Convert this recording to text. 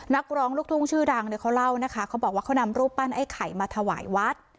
นักร้องลูกทุ่งชื่อดังเนี่ยเขาเล่านะคะเขาบอกว่าเขานำรูปปั้นไอ้ไข่มาถวายวัด